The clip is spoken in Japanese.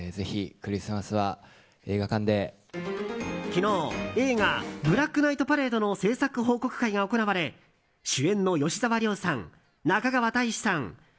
昨日、映画「ブラックナイトパレード」の制作報告会が行われ主演の吉沢亮さん、中川大志さん